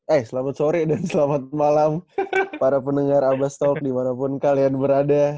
eh selamat sore dan selamat malam para pendengar abbas talk dimanapun kalian berada